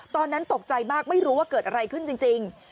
ตอนนั้นตกใจมากไม่รู้ว่าเกิดอะไรขึ้นจริง